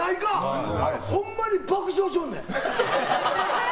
あれ、ほんまに爆笑しよるねん。